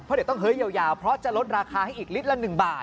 เพราะเดี๋ยวต้องเฮ้ยยาวเพราะจะลดราคาให้อีกลิตรละ๑บาท